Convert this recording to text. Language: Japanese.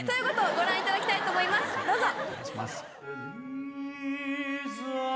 ご覧いただきたいと思いますどうぞ！